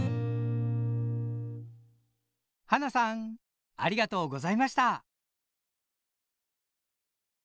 はなさんありがとうございました。